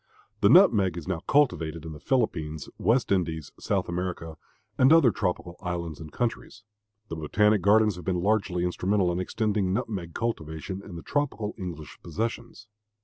The nutmeg is now cultivated in the Philippines, West Indies, South America, and other tropical islands and countries. The botanic gardens have been largely instrumental in extending nutmeg cultivation in the tropical English possessions.